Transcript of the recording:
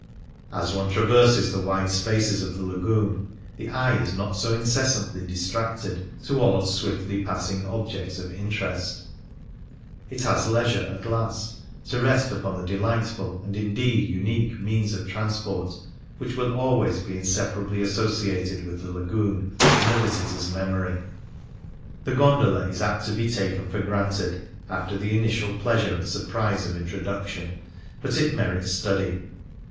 As one traverses the wide spaces of the Lao oon, the eye is not so incessantly distracted towards swiftly passing objects of interest ; it has leisure, at last, to rest upon the delightful and, indeed, unique means of transport which will always be inseparably associated with the Lagoon in the visitor's memory. The gondola is apt to be "taken for o ranted " after the initial pleasure and surprise of introduction. But it merits study.